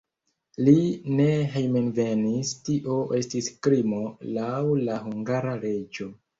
Li ne hejmenvenis, tio estis krimo laŭ la hungara leĝo.